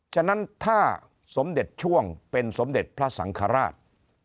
ฉะนั้นถ้าสมเด็จช่วงเป็นสมเด็จพระสังฆราช